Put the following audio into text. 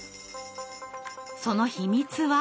その秘密は？